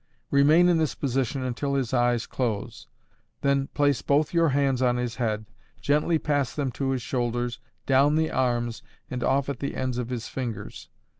Remain in this position until his eyes close. Then place both your hands on his head, gently pass them to his shoulders, down the arms, and off at the ends of his fingers.